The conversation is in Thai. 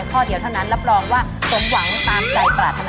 เยอะมาก